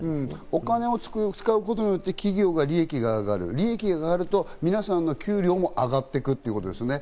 お金を使うことによって企業の利益が上がる、そうなると皆さんの給料も上がっていくってことですね。